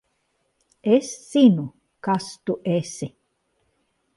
Es zinu, kas tu esi.